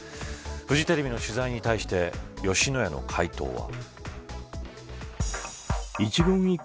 フジテレビの取材に対して吉野家の回答は。